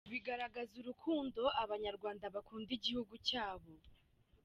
Bigaragaza urukundo Abanyarwanda bakunda igihugu cyabo.